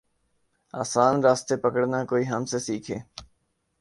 آسان راستے پکڑنا کوئی ہم سے سیکھے۔